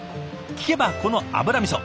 聞けばこの油みそ